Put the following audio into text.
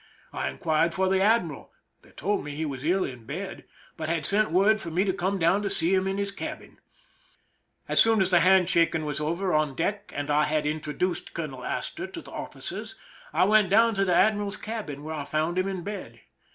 I inquired for the admiral ; they told me he was ill in bed, but had sent word for me to come down to see him in his (jabin. As soon as the hand shaking T\ras over on deck and I had introduced Colonel Astor to the officers, I went down to the admiral's cabin, where I found him in bed.